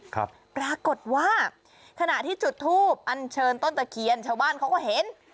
ครับปรากฏว่าขณะที่จุดทูปอันเชิญต้นตะเคียนชาวบ้านเขาก็เห็น